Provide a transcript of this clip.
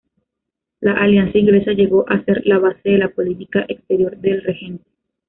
La alianza inglesa llegó á ser la base de la política exterior del regente.